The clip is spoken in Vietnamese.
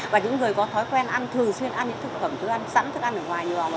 và những người có thói quen ăn thường xuyên ăn những thực phẩm sẵn thức ăn ở ngoài nhiều lòng